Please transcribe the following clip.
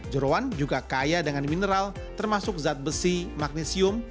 jerohan juga kaya dengan mineral termasuk zat besi magnesiun